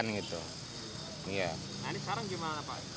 nah ini sekarang gimana pak